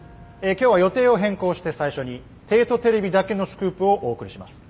今日は予定を変更して最初に帝都テレビだけのスクープをお送りします。